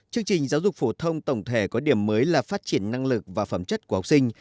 chương trình giáo dục phổ thông tổng thể có điểm mới là phát triển năng lực và phẩm chất của học sinh